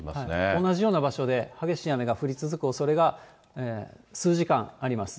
同じような場所で激しい雨が降り続くおそれが数時間あります。